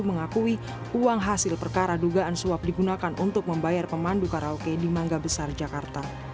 mengakui uang hasil perkara dugaan suap digunakan untuk membayar pemandu karaoke di mangga besar jakarta